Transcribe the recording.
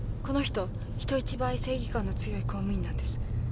この人人一倍正義感の強い公務員なんです。